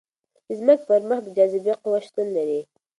د ځمکې پر مخ د جاذبې قوه شتون لري.